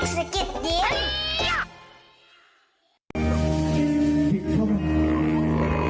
สกิดยิ้ม